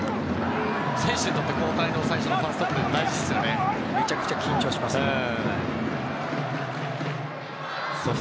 選手にとって交代後のファーストプレーってめちゃくちゃ緊張しますからね。